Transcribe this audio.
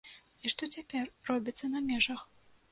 І што цяпер робіцца на межах?